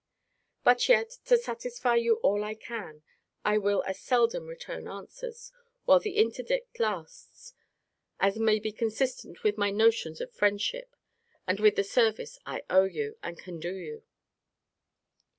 But yet, to satisfy you all I can, I will as seldom return answers, while the interdict lasts, as may be consistent with my notions of friendship, and with the service I owe you, and can do you.